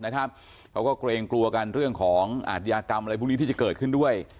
เขาก็เกรงกลัวกันเรื่องของอาทยากรรมอะไรพวกนี้ที่จะเกิดขึ้นด้วย